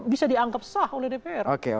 bisa dianggap sah oleh dpr